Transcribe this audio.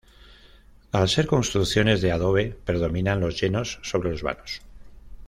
Al ser construcciones de adobe, predominan los llenos sobre los vanos.